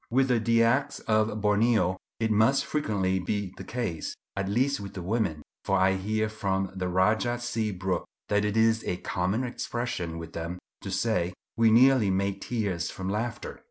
With the Dyaks of Borneo it must frequently be the case, at least with the women, for I hear from the Rajah C. Brooke that it is a common expression with them to say "we nearly made tears from laughter."